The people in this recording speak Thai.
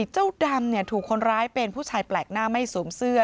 เจ้าดำถูกคนร้ายเป็นผู้ชายแปลกหน้าไม่สวมเสื้อ